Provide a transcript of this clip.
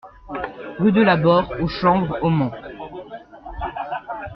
Rue de l'Abord au Chanvre au Mans